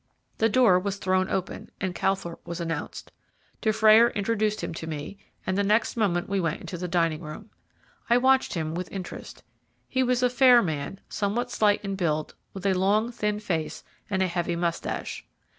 The door was thrown open, and Calthorpe was announced. Dufrayer introduced him to me, and the next moment we went into the dining room. I watched him with interest. He was a fair man, somewhat slight in build, with a long, thin face and a heavy moustache.